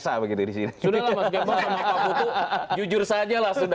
sudahlah mas gembong sama pak butuh jujur sajalah